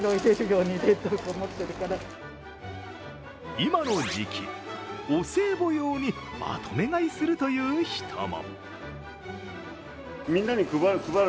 今の時期、お歳暮用にまとめ買いするという人も。